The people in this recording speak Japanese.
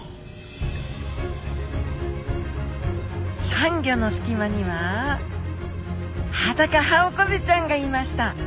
サンギョの隙間にはハダカハオコゼちゃんがいました。